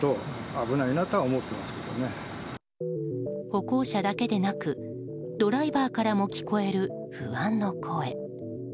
歩行者だけでなくドライバーからも聞こえる不安の声。